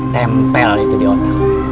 tempel itu di otak